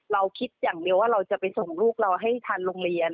เราคิดอย่างเดียวว่าเราจะไปส่งลูกเราให้ทางโรงเรียน